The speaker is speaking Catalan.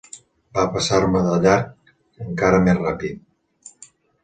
Va passar-me de llarg encara més ràpid.